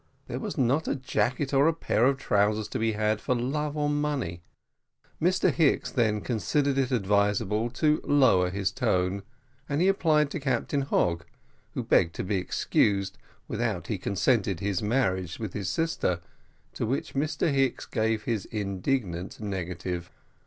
There was not a jacket or a pair of trousers to be had for love or money. Mr Hicks then considered it advisable to lower his tone, and he applied to Captain Hogg, who begged to be excused without he consented to his marriage with his sister, to which Mr Hicks gave an indignant negative.